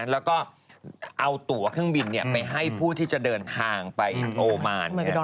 แล้วก็เอาตัวเครื่องบินไปให้ผู้ที่จะเดินทางไปโอมาน